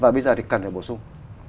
và bây giờ thì cần phải bổ sung